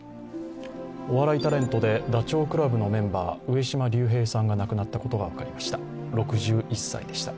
お笑いタレントでダチョウ倶楽部のメンバー上島竜兵さんが亡くなったことが分かりました。